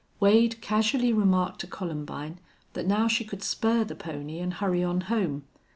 Wade casually remarked to Columbine that now she could spur the pony and hurry on home.